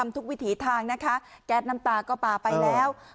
ทุกวิถีทางนะคะแก๊สน้ำตาก็ปลาไปแล้ว